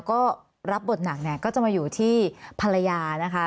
ก็รับบทหนักเนี่ยก็จะมาอยู่ที่ภรรยานะคะ